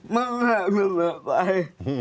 มึงอยากทำอะไรไป